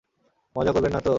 মজা করবেন নাতো!